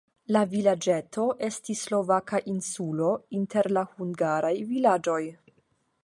La vilaĝeto estis slovaka insulo inter la hungaraj vilaĝoj.